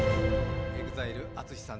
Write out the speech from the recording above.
ＥＸＩＬＥＡＴＳＵＳＨＩさん